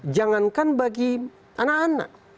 jangankan bagi anak anak